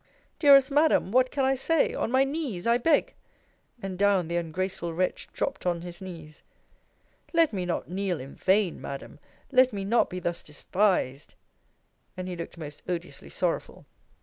Dearest Madam, what can I say? On my knees I beg And down the ungraceful wretch dropped on his knees. Let me not kneel in vain, Madam: let me not be thus despised. And he looked most odiously sorrowful.